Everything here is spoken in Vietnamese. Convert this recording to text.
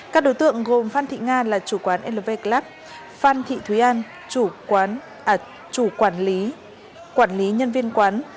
các đối tượng gồm phan thị nga là chủ quán lv club phan thị thúy an là chủ quản lý nhân viên quán